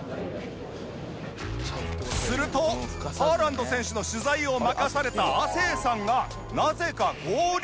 するとハーランド選手の取材を任された亜生さんがなぜか合流